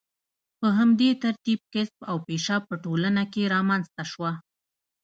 په همدې ترتیب کسب او پیشه په ټولنه کې رامنځته شوه.